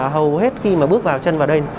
hầu hết khi mà bước vào chân vào đây